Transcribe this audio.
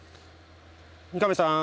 三上さん